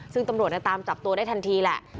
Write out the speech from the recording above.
ซึ่งตำรวจตามจับตัวได้ทันทีแหละ